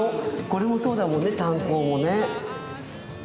これもそうだもんね炭鉱もね。